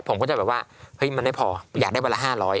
ผมก็จะแบบว่าเฮ้ยมันไม่พออยากได้วันละ๕๐๐